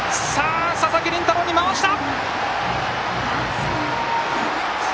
佐々木麟太郎に回した。